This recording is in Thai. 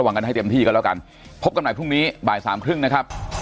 เงี่ยงว่าจะเก็บให้ทัวรสโลกเหมือนเดิม